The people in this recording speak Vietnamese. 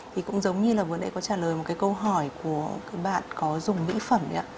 thì cũng giống như là vừa nãy có trả lời một câu hỏi của bạn có dùng mỹ phẩm